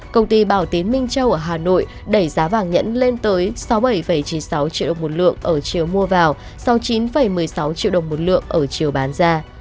công ty bảo tín minh châu ở hà nội đẩy giá vàng nhẫn lên tới sáu mươi bảy chín mươi sáu triệu đồng một lượng ở chiều mua vào sau chín một mươi sáu triệu đồng một lượng ở chiều bán ra